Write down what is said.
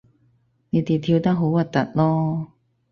你哋跳得好核突囉